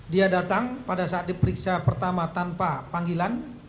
dia datang pada saat diperiksa pertama tanpa panggilan